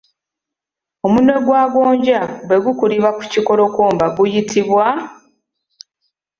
Omunwe gwa gonja bwe gukulira ku kikolokomba guyitibwa?